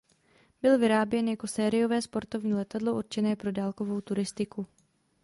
Byl vyráběn jako sériové sportovní letadlo určené pro dálkovou turistiku.